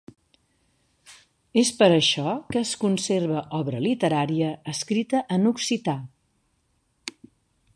És per això que es conserva obra literària escrita en occità.